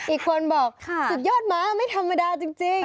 อีกคนบอกสุดยอดม้าไม่ธรรมดาจริง